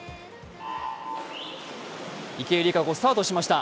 池江璃花子、スタートしました。